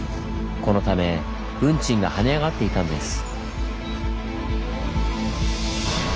このため運賃が跳ね上がっていたんです。